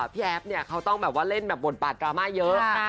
พี่แอ๊บเขาต้องเล่นบทบาทกรามาเยอะ